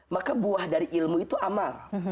maka buah dari ilmu itu amal